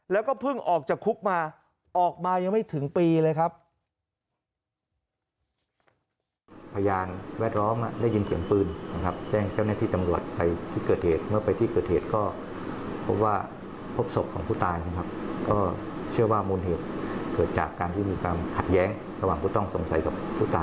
แล้วก็เพิ่งออกจากคุกมาออกมายังไม่ถึงปีเลยครับ